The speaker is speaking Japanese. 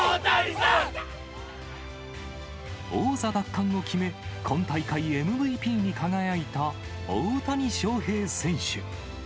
王座奪還を決め、今大会、ＭＶＰに輝いた大谷翔平選手。